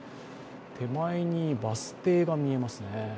手前にバス停が見えますね。